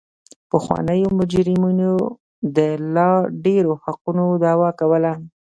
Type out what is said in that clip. پخوانیو مجرمینو د لا ډېرو حقونو دعوه کوله.